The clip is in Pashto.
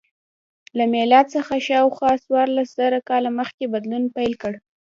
له میلاد څخه شاوخوا څوارلس زره کاله مخکې بدلون پیل کړ.